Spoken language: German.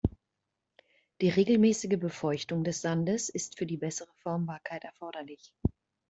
Die regelmäßige Befeuchtung des Sandes ist für die bessere Formbarkeit erforderlich.